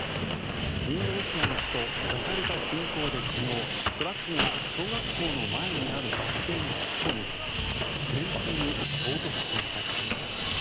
インドネシアの首都ジャカルタ近郊で昨日トラックが小学校の前にあるバス停に突っ込み電柱に衝突しました。